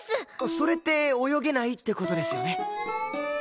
それって泳げないって事ですよね？